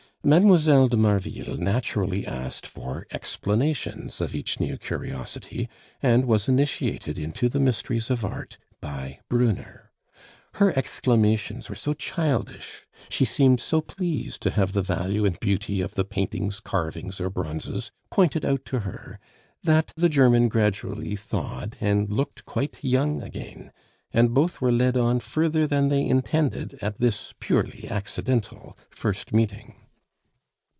Mlle. de Marville naturally asked for explanations of each new curiosity, and was initiated into the mysteries of art by Brunner. Her exclamations were so childish, she seemed so pleased to have the value and beauty of the paintings, carvings, or bronzes pointed out to her, that the German gradually thawed and looked quite young again, and both were led on further than they intended at this (purely accidental) first meeting.